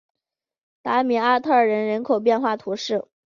达米阿特人口变化图示